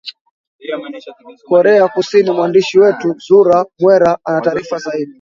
korea kusini mwandishi wetu zuhra mwera anataarifa zaidi